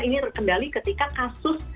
ini terkendali ketika kasus